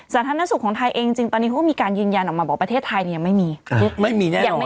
สาธารณสุขของไทยเองจริงตอนนี้เขาก็มีการยืนยันออกมาบอกประเทศไทยเนี่ยยังไม่มีไม่มีแน่